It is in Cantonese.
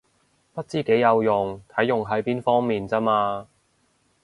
不知幾有用，睇用喺邊方面咋嘛